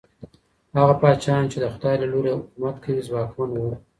هغه پاچاهان چي د خدای له لورې حکومت کوي، ځواکمن وو.